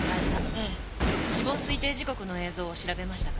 ええ死亡推定時刻の映像を調べましたから。